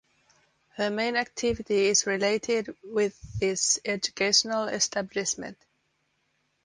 Her main activity is related with this educational establishment.